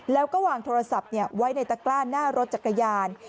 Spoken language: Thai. แล้วก็วางโทรศัพท์ไว้ในตะกล้าหน้ารถจักรยาน